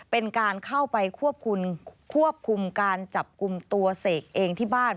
เป็นการเข้าไปควบคุมควบคุมการจับกลุ่มตัวเสกเองที่บ้าน